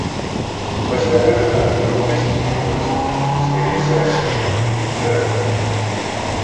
Пасля гэтага яго песня змянілася, з'явіліся расліны, дрэвы.